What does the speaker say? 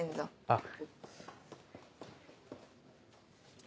あっ。